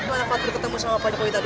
mana fatur ketemu sama pak jokowi tadi